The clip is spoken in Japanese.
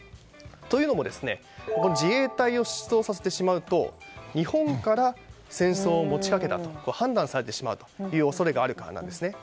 というのも自衛隊を出動させてしまうと日本から戦争を持ちかけたと判断されてしまう恐れがあるからなんですね。